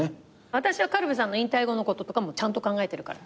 私は軽部さんの引退後のこととかちゃんと考えてるから。